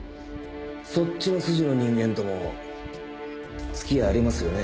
そっちの筋の人間ともつきあいありますよね？